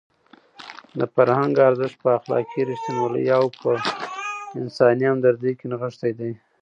د فرهنګ ارزښت په اخلاقي رښتینولۍ او په انساني همدردۍ کې نغښتی دی.